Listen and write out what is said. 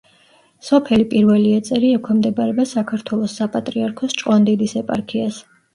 სოფელი პირველი ეწერი ექვემდებარება საქართველოს საპატრიარქოს ჭყონდიდის ეპარქიას.